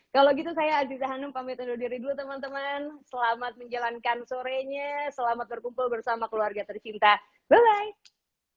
kalau gitu saya aziza hanum pamit undur diri dulu teman teman selamat menjalankan sorenya selamat berkumpul bersama keluarga tercinta bye